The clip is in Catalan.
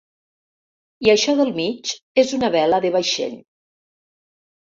I això del mig és una vela de vaixell.